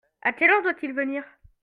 A quelle heure doit-il venir ?